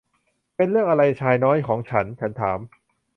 'เป็นเรื่องอะไรชายน้อยของฉัน' ฉันถาม